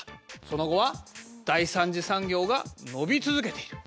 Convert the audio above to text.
その後は第３次産業が伸び続けている。